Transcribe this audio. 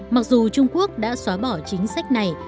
mặc dù trung quốc đã xóa bỏ chính sách này